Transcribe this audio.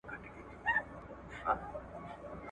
را ټینګ کړي مي په نظم هم دا مځکه اسمانونه `